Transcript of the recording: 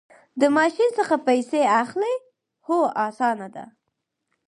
د ماشین څخه پیسې اخلئ؟ هو، اسانه ده